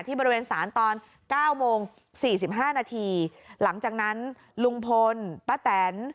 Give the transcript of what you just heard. บริเวณศาลตอนเก้าโมงสี่สิบห้านาทีหลังจากนั้นลุงพลป้าแตน